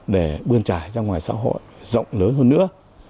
để bươn trải ra ngoài xã hội rộng lớn hơn nữa